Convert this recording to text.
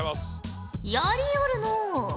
やりよるのう。